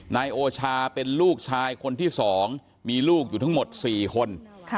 นายโอชาเป็นลูกชายคนที่๒มีลูกอยู่ทั้งหมด๔คน